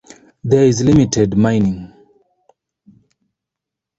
There is limited mining.